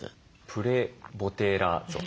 プレボテラ属。